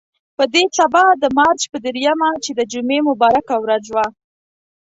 په دې سبا د مارچ په درېیمه چې د جمعې مبارکه ورځ وه.